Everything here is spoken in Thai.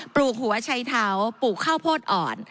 ลูกหัวชัยเท้าปลูกข้าวโพดอ่อน